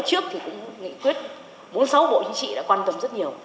trước thì cũng nghị quyết bốn mươi sáu bộ chính trị đã quan tâm rất nhiều